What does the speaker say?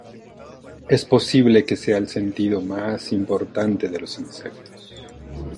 Es posible que sea el sentido más importante de los insectos.